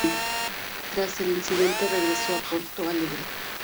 Tras el incidente, regresó a Porto Alegre.